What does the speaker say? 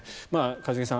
一茂さん